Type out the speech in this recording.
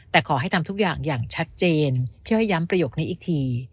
แต่ขอให้ทำทุกอย่างอย่างชัดเจนพี่อ้อยย้ำประโยคนี้อีกที